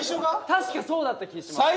確かそうだった気がします。